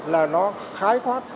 là nó khái khoát